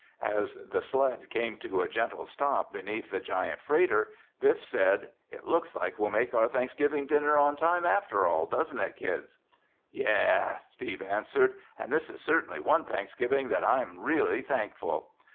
As the sled came to a gentle stop beneath the giant freighter, Biff said, "It looks like we'll make our Thanksgiving dinner on time after all, doesn't it, kids?" "Yeah," Steve answered, "and this is certainly one Thanksgiving that I'm really thankful!"